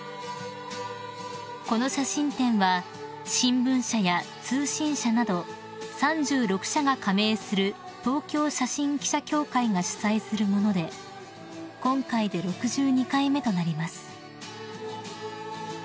［この写真展は新聞社や通信社など３６社が加盟する東京写真記者協会が主催するもので今回で６２回目となります］